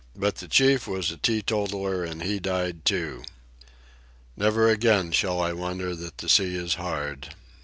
But the chief was a teetotaller, and he died, too." Never again shall I wonder that the sea is hard.